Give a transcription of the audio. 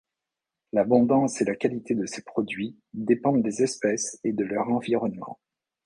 L'abondance et la qualité de ces produits dépendent des espèces et de leur environnement.